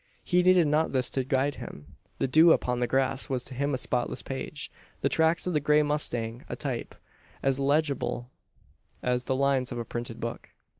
He needed not this to guide him. The dew upon the grass was to him a spotless page the tracks of the grey mustang a type, as legible as the lines of a printed book.